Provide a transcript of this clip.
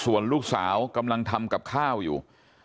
ส่วนลูกสาวกำลังทำกับข้าวอยู่